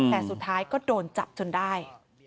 แต่สุดท้ายก็โดนจับจนได้